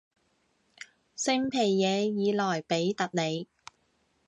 圣皮耶尔莱比特里。